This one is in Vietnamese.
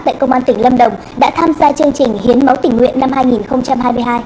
tại công an tỉnh lâm đồng đã tham gia chương trình hiến máu tỉnh nguyện năm hai nghìn hai mươi hai